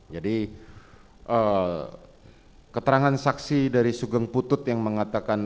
jadi keterangan saksi dari sugeng putut yang mengatakan